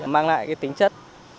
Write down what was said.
mang lại tính chất